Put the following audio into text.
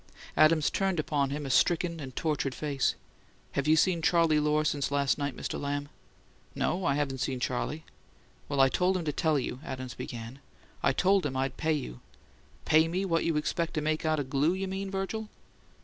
Adams turned upon him a stricken and tortured face. "Have you seen Charley Lohr since last night, Mr. Lamb?" "No; I haven't seen Charley." "Well, I told him to tell you," Adams began; "I told him I'd pay you " "Pay me what you expect to make out o' glue, you mean, Virgil?"